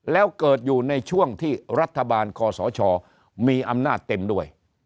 แล้วเกิดอยู่ในช่วงที่รัฐบาลคอสชมีอำนาจเต็มด้วย